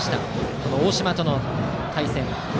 この大島との対戦。